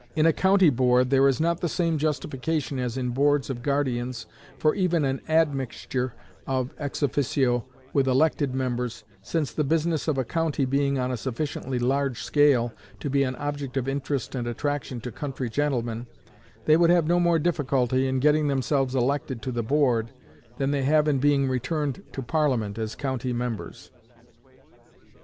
In a County Board there is not the same justification as in Boards of Guardians for even an admixture of ex officio with elected members, since the business of a county being on a sufficiently large scale to be an object of interest and attraction to country gentlemen, they would have no more difficulty in getting themselves elected to the Board than they have in being returned to Parliament as county members.